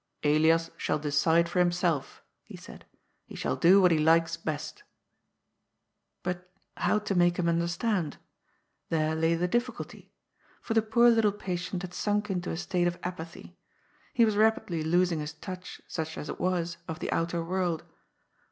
" Elias shall decide for himself," he said. " He shall do what he likes best." But how to make him under stand ? There lay the difficulty ; for the poor little patient had sunk into a state of apathy. He was rapidly losing his touch, such as it was, of the outer world.